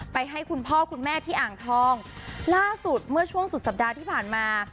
ให้คุณพ่อคุณแม่ที่อ่างทองล่าสุดเมื่อช่วงสุดสัปดาห์ที่ผ่านมา